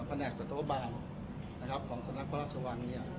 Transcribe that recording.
แหนกสัตวบาลนะครับของสำนักพระราชวังเนี่ย